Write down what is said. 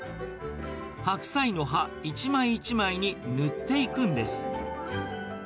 白菜の葉一枚一枚に塗っていくんです。